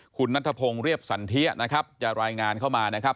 คุณนัทพงศ์เรียบสันเทียนะครับจะรายงานเข้ามานะครับ